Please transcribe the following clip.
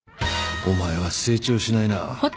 お前は成長しないな。